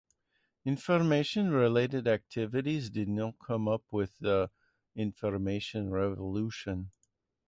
Information-related activities did not come up with the Information Revolution.